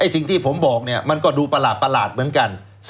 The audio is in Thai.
สิ่งที่ผมบอกมันก็ดูปลาลาดเหมือนกัน